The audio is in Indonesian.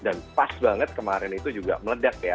dan pas banget kemarin itu juga meledak ya